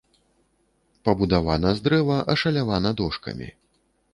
Пабудавана з дрэва, ашалявана дошкамі.